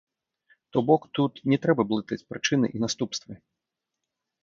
То бок, тут не трэба блытаць прычыны і наступствы.